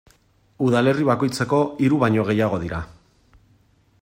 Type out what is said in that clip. Udalerri bakoitzeko hiru baino gehiago dira.